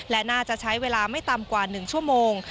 และน่าจะใช้เวลาไม่ต่ำกว่า๑ชั่วโมง